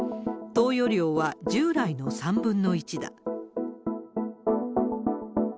投与量は従来の３分の１だ。